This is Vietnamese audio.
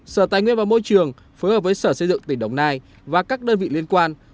sở tài nguyên và môi trường phối hợp với sở xây dựng tỉnh đồng nai và các đơn vị liên quan